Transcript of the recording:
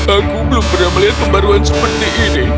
aku belum pernah melihat pembaruan seperti ini